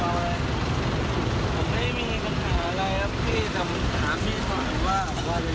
โอเคเรน